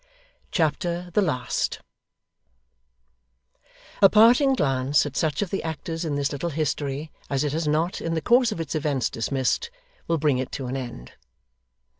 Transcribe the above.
Chapter the Last A parting glance at such of the actors in this little history as it has not, in the course of its events, dismissed, will bring it to an end.